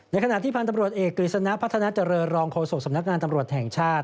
ขณะที่พันธุ์ตำรวจเอกกฤษณะพัฒนาเจริญรองโฆษกสำนักงานตำรวจแห่งชาติ